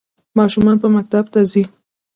ماشومان به مکتب ته ځي؟